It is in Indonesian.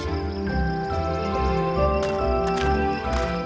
lalu kami akan menempatkan tanda tanda di dalam kapal